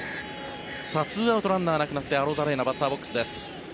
２アウト、ランナーなくなってアロザレーナバッターボックスです。